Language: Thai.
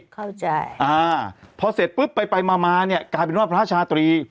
เข้าใจอ่าพอเสร็จปุ๊บไปไปมามาเนี่ยกลายเป็นว่าพระชาตรี